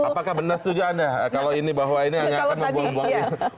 apakah benar setuju anda kalau ini bahwa ini hanya akan membuang buang